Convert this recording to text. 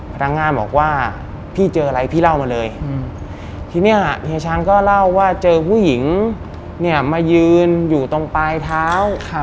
พนักงานบอกว่าพี่เจออะไรพี่เล่ามาเลยทีนี้เฮียช้างก็เล่าว่าเจอผู้หญิงเนี่ยมายืนอยู่ตรงปลายเท้า